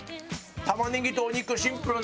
玉ねぎとお肉シンプルな。